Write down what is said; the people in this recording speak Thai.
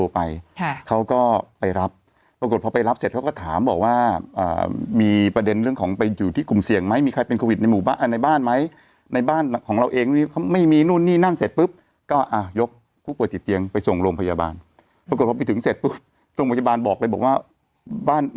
ประกอบว่าพอที่ถึงเสร็จพรุ่งโรงพยาบาลบอกเลยบอกว่า